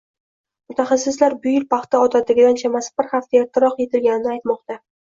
Mutaxassislar bu yil paxta odatdagidan chamasi bir hafta ertaroq yetilganini aytmoqda